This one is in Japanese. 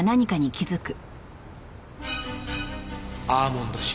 アーモンド臭。